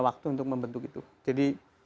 waktu untuk membentuk itu jadi